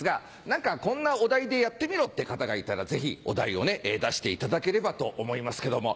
何かこんなお題でやってみろって方がいたらぜひお題を出していただければと思いますけども。